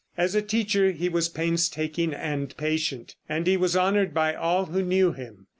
As a teacher he was painstaking and patient, and he was honored by all who knew him.